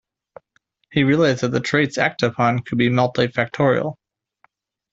He realized that the traits acted upon could be multifactorial.